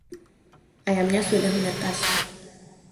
ayamnya sudah menetas